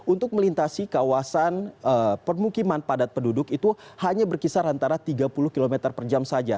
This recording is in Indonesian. untuk melintasi kawasan permukiman padat penduduk itu hanya berkisar antara tiga puluh km per jam saja